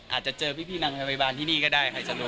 อาจจะเจอพี่นางพยาบาลที่นี่ก็ได้ใครจะรู้